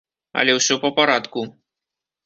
Але ўсё па парадку.